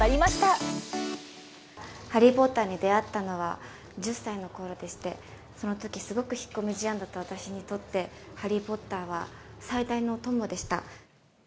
ハリー・ポッターに出会ったのは、１０歳のころでして、そのとき、すごく引っ込み思案だった私にとって、ハリー・ポッターは最大の友でした。